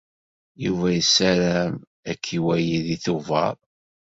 Yuba yessaram ad k-iwali deg Tubeṛ.